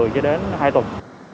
một mươi cho đến hai tuần